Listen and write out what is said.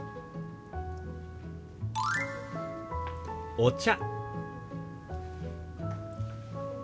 「お茶」。